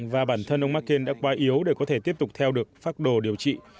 và bản thân ông mccain đã qua yếu để có thể tiếp tục theo được pháp đồ điều trị